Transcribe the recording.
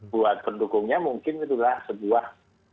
buat pendukungnya mungkin itulah sebuah